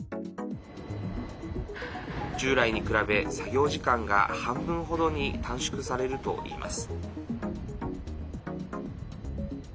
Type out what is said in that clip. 従来に比べ作業時間が半分ほどに短縮されるといいます。